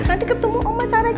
nanti ketemu oma sarah juga